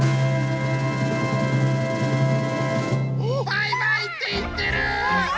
バイバイっていってる！